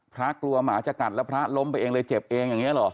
กลัวหมาจะกัดแล้วพระล้มไปเองเลยเจ็บเองอย่างนี้เหรอ